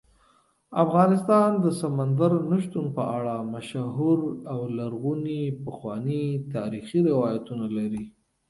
افغانستان د سمندر نه شتون په اړه مشهور او لرغوني پخواني تاریخی روایتونه لري.